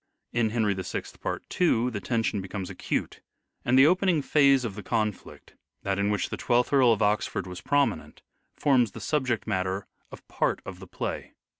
In " Henry VI," part 2, the tension becomes acute, and the opening phase of the conflict, that in which the Twelfth Earl of Oxford was prominent, forms the subject matter of part of the play.